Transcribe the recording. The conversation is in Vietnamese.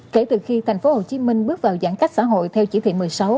kể từ khi tp hcm bước vào giãn cách xã hội theo chỉ thị một mươi sáu